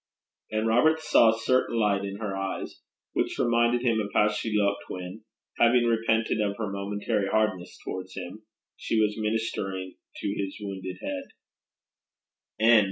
And Robert saw a certain light in her eyes which reminded him of how she looked when, having repented of her momentary hardness towards him, she was ministering to his wounded head.